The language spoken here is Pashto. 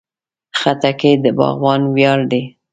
خټکی د باغوان ویاړ دی.